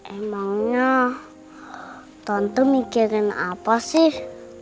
emangnya tonto mikirin apa sih